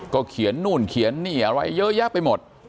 เขียนนู่นเขียนนี่อะไรเยอะแยะไปหมด